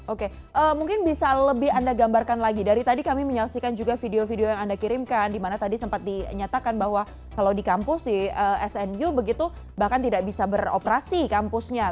oke mungkin bisa lebih anda gambarkan lagi dari tadi kami menyaksikan juga video video yang anda kirimkan di mana tadi sempat dinyatakan bahwa kalau di kampus di snu begitu bahkan tidak bisa beroperasi kampusnya